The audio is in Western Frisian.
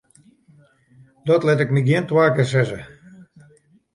Dat liet ik my gjin twa kear sizze.